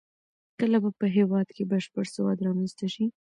کله به په هېواد کې بشپړ سواد رامنځته شي؟